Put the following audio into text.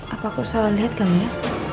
apa aku salah lihat kembali ya